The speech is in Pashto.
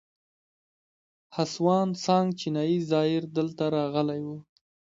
هسوان سانګ چینایي زایر دلته راغلی و